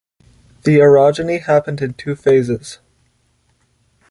The orogeny happened in two phases.